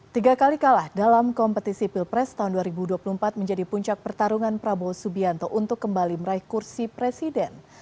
tiga kali kalah dalam kompetisi pilpres tahun dua ribu dua puluh empat menjadi puncak pertarungan prabowo subianto untuk kembali meraih kursi presiden